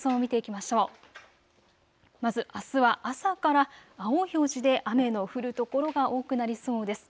まずあすは朝から青い表示で雨の降る所が多くなりそうです。